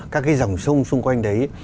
các cái dòng sông xung quanh đấy